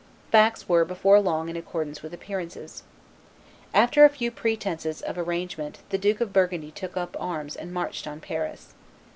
Facts were before long in accordance with appearances. After a few pretences of arrangement the Duke of Burgundy took up arms and marched on Paris.